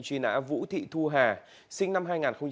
truy nã vũ thị thu hà sinh năm hai nghìn hai